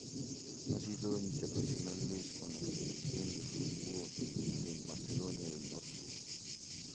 Ha sido internacional con la Selección de fútbol de Macedonia del Norte.